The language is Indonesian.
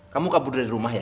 kamu kabur dari rumah ya